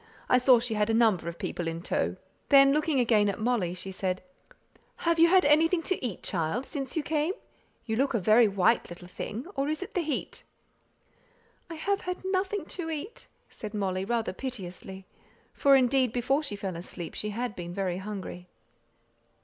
I saw she had a number of people in tow;" then looking again at Molly, she said, "Have you had anything to eat, child, since you came? You look a very white little thing; or is it the heat?" "I have had nothing to eat," said Molly, rather piteously; for, indeed, before she fell asleep she had been very hungry.